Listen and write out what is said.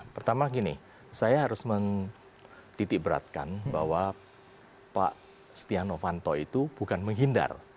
pertama gini saya harus mentitik beratkan bahwa pak setia novanto itu bukan menghindar